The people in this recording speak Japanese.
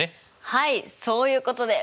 はいそういうことです。